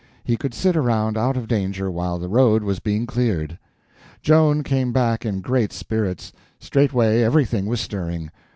He could sit around out of danger while the road was being cleared. Joan came back in great spirits. Straightway everything was stirring.